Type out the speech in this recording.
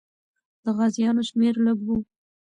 د غازیانو شمېر لږ وو.